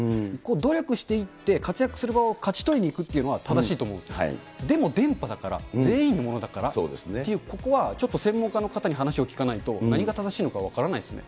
努力していって活躍する場を勝ち取りにいくっていうのは正しいと思うんですよ、でも電波だから、全員のものだからっていう、ここはちょっと専門家の方に話を聞かないと、何が正しいのか分からないですね。